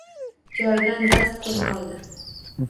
Joyidan dast qo‘zg‘oldi.